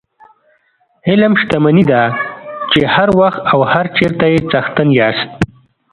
علم شتمني ده چې هر وخت او هر چېرته یې څښتن یاست.